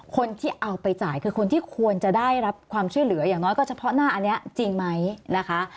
คนที่เอาไปจ่ายคือคนที่ควรจะได้รับความช่วยเหลืออย่างน้อยก็เฉพาะหน้าอันนี้จริงไหมนะคะ